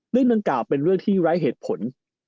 เรื่องเรื่องกล่าวเป็นเรื่องที่รายเหตุผล